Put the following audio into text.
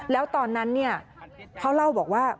แล้วตอนนั้นเขาเล่าบอกว่า